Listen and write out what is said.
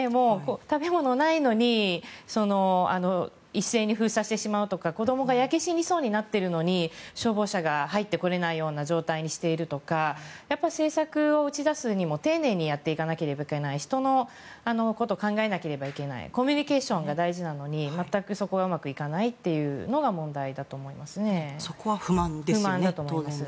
食べ物がないのに一斉に封鎖してしまうとか子どもが焼け死にそうになっているのに消防車が入ってこれないような状態にしているとか政策を打ち出すにも、丁寧にやっていかなければいけない人のことを考えなければいけないコミュニケーションが大事なのにそこが全くうまくいかないのが問題だと思いますね。